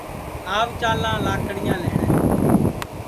آو چالاں لاکڑیاں لئٹؔے